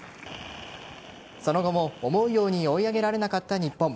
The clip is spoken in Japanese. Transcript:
その後も思うように追い上げられなかった日本。